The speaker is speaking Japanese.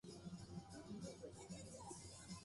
歌声が聞こえる。